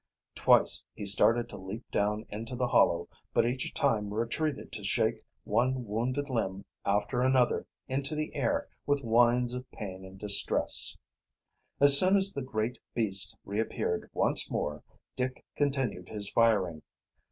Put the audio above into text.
Twice he started to leap down into the hollow, but each time retreated to shake one wounded limb after another into the air with whines of pain and distress. As soon as the great beast reappeared once more Dick continued his firing.